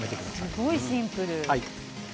すごいシンプル。